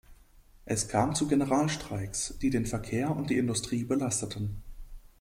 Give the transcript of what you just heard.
Es kam zu Generalstreiks, die den Verkehr und die Industrie belasteten.